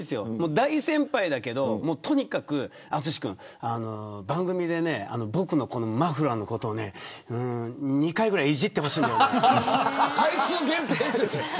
大先輩だけど、とにかく淳君番組で僕のこのマフラーのことを２回ぐらいいじってほしいんだよって。